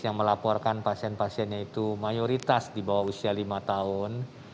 yang melaporkan pasien pasiennya itu mayoritas di bawah usia lima tahun